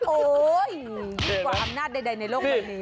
โอ๊ยดีกว่าอำนาจใดในโลกแบบนี้